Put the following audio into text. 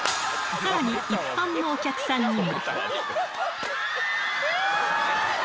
さらに、一般のお客さんにも。